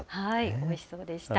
おいしそうでした。